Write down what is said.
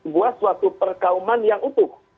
buat suatu perkauman yang utuh